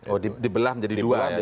oh di belah menjadi dua ya